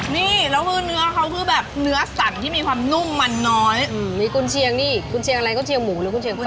นี่แล้วคือเนื้อเขาคือแบบเนื้อสั่นที่มีความนุ่มมันน้อยมีกุญเชียงนี่กุญเชียงอะไรก็เชียงหมูหรือกุเชียงก็เลย